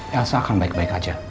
elsa akan baik baik aja